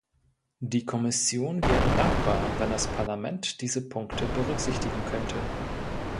Die Kommission wäre dankbar, wenn das Parlament diese Punkte berücksichtigen könnte.